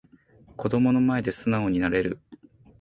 子供の前で素直になれる